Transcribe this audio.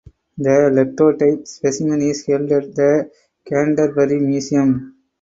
The lectotype specimen is held at the Canterbury Museum.